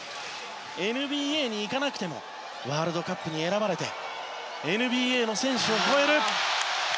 ＮＢＡに行かなくてもワールドカップに選ばれてＮＢＡの選手を超える。